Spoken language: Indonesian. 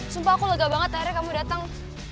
sumpah aku lega banget akhirnya kamu datang